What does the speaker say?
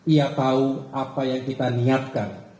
ia tahu apa yang kita niatkan